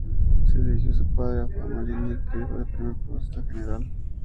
Se eligió al padre Juan B. Milani, que fue el primer prepósito general.